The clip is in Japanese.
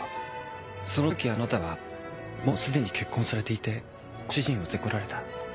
そのときあなたはもうすでに結婚されていてご主人を連れてこられた。